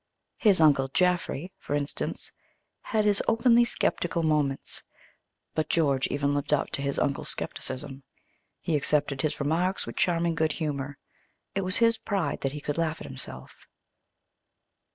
His Uncle Jaffry, for instance, had his openly skeptical moments. But George even lived up to his uncle's skepticism. He accepted his remarks with charming good humor. It was his pride that he could laugh at himself.